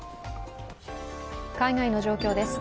海外の状況です。